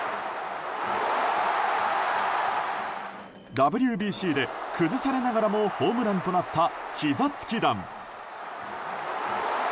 ＷＢＣで崩されながらもホームランとなったひざつき弾。